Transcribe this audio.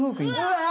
うわ！